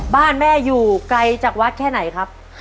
บ้านแม่อยู่ไกลจากวัดแค่ไหนครับ